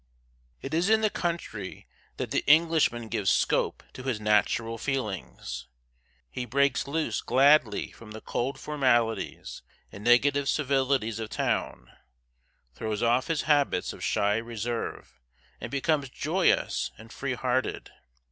It is in the country that the Englishman gives scope to his natural feelings. He breaks loose gladly from the cold formalities and negative civilities of town; throws off his habits of shy reserve, and becomes joyous and free hearted.